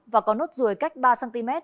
và có nốt ruồi cách ba cm